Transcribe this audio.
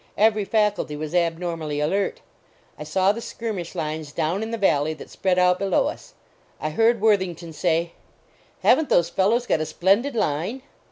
Every faculty was abnormally alert. I saw the skir mish lines down in the valley that spread out below us. I heard Worthington say, "Haven t those fellows got a splendid line?"